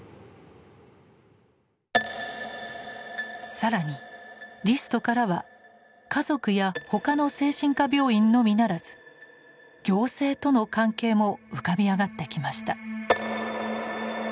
更にリストからは家族や他の精神科病院のみならず行政との関係も浮かび上がってきました。